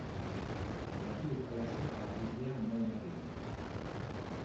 La ville est traversée par la rivière Neumagen.